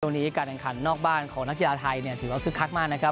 การแข่งขันนอกบ้านของนักกีฬาไทยถือว่าคึกคักมากนะครับ